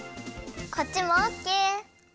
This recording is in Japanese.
こっちもオッケー！